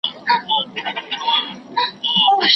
په سم ډول د ټایپنګ زده کړه ډېره مهمه ده.